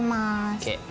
ＯＫ。